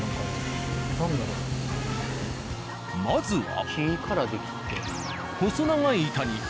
まずは。